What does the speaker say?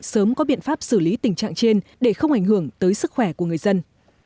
sớm có biện pháp xử lý tình trạng trên để không ảnh hưởng tới sức khỏe của người dân